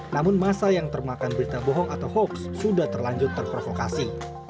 namun masa yang termakan berita bohong atau hoax sudah terlanjur terprovokasi